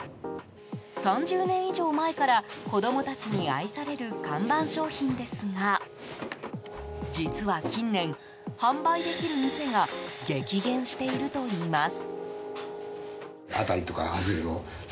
３０年以上前から、子供たちに愛される看板商品ですが実は近年、販売できる店が激減しているといいます。